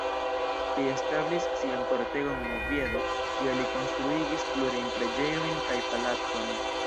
Li establis sian kortegon en Oviedo, kie li konstruigis plurajn preĝejojn kaj palacon.